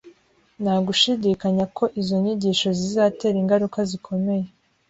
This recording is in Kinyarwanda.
Nta gushidikanya ko izo nyigisho zizatera ingaruka zikomeye.